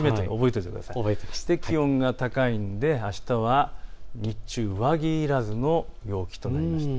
そして気温が高いのであしたは日中、上着いらずの陽気となりそうです。